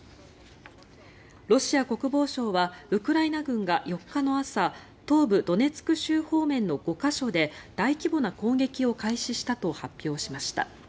ロシア国防省はウクライナ軍が４日の朝東部ドネツク州方面の５か所で大規模な攻撃を開始したと発表しました。